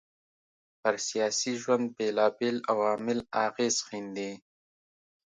پر سياسي ژوند بېلابېل عوامل اغېز ښېندي